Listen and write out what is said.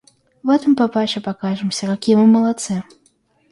Вот мы папаше покажемся, какие мы молодцы!